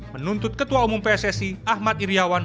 menuntut ketua umum pssi ahmad iryawan